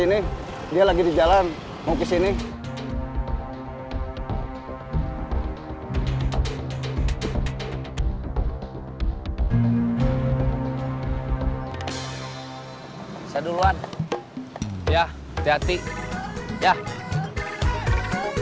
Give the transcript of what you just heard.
benarkah jikamu dikit boxtek mu